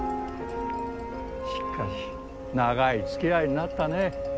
しかし長い付き合いになったね。